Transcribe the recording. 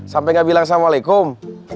sampai gak bilang assalamualaikum